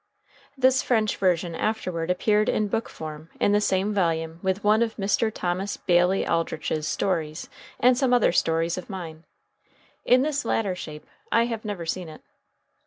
This French version afterward appeared in book form in the same volume with one of Mr. Thomas Bailey Aldrich's stories and some other stories of mine. In this latter shape I have never seen it.